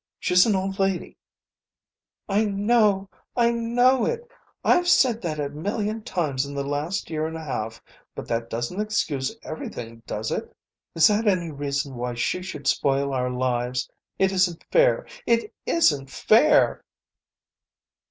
She's an old lady " "I know it. I know it. I've said that a million times in the last year and a half. But that doesn't excuse everything, does it? Is that any reason why she should spoil our lives? It isn't fair. It isn't fair!"